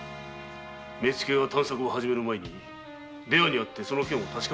目付が探索を始める前に出羽に会ってその件を確かめてくれ。